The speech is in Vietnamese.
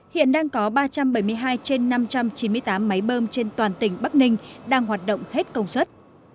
hiện đang có ba trăm bảy mươi hai trên năm trăm chín mươi tám máy bơm trên toàn tỉnh bắc ninh đang hoạt động hết công suất